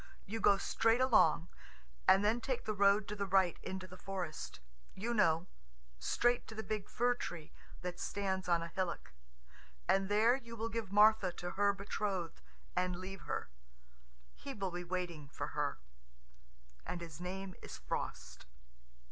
You go straight along, and then take the road to the right into the forest ... you know ... straight to the big fir tree that stands on a hillock, and there you will give Martha to her betrothed and leave her. He will be waiting for her, and his name is Frost."